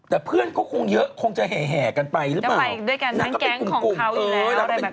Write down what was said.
แต่เพื่อนก็คงเยอะคงจะแห่กันไปหรือเปล่า